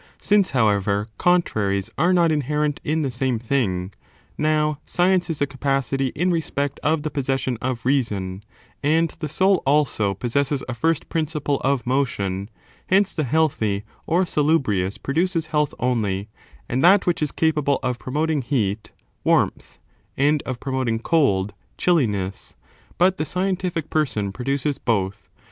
Since, however, contraries are not inherent in the same thing — now, science is a capacity in respect of the possession of reason,^ and the soul also pos sesses a first principle of motion — hence the healthy or salubrious produces health only, and that which is capable of promoting heat — warmth, and of promoting cold — chilli ness ; but the scientific person produces both.